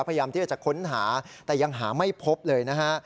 พยายามที่จะค้นหาแต่ยังหาไม่พบเลยนะฮะ